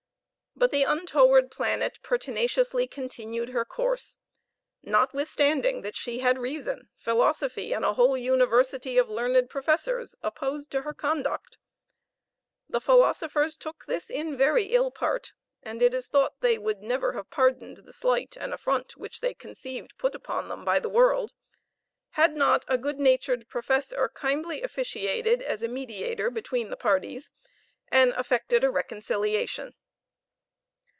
But the untoward planet pertinaciously continued her course, not withstanding that she had reason, philosophy, and a whole university of learned professors opposed to her conduct. The philosophers took this in very ill part, and it is thought they would never have pardoned the slight and affront which they conceived put upon them by the world had not a good natured professor kindly officiated as a mediator between the parties, and effected a reconciliation.